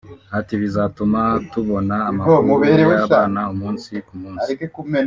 Ati “Bizatuma tubona amakuru y’abana umunsi ku munsi